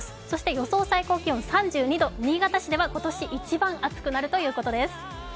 予想最高気温３２度、新潟市では今年一番暑くなるということです。